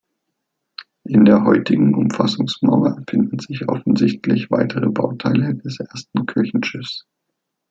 In der heutigen Umfassungsmauer finden sich offensichtlich weitere Bauteile des ersten Kirchenschiffs.